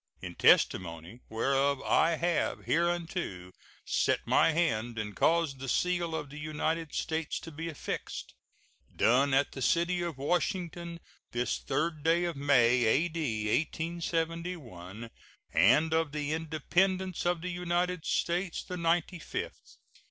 In testimony whereof I have hereunto set my hand and caused the seal of the United States to be affixed. Done at the city of Washington, this 3d day of May, A.D. 1871, and of the Independence of the United States the ninety fifth.